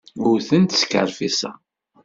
Ur tent-skerfiṣeɣ.